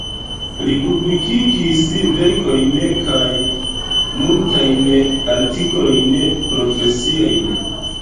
Li publikigis verkojn kaj multajn artikolojn profesiajn.